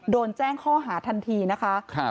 โดนแจ้งข้อหาทันทีนะคะ